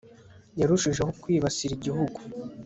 yarushijeho kwibasira igihugu